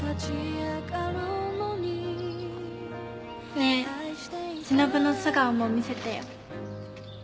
ねえしのぶの素顔も見せてよ。